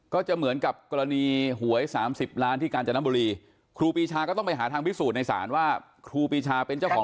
ก็จะเหมือนกับกรณีหวย๓๐ล้านที่กาญจนบุรีครูปีชาก็ต้องไปหาทางพิสูจน์ในศาลว่าครูปีชาเป็นเจ้าของ